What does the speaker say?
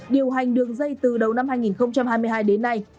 điều hành đường dây từ đầu năm hai nghìn hai mươi hai đến nay